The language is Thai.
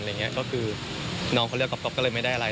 น้องเขาเลือกกรอบกรอบก็เลยไม่ได้อะไร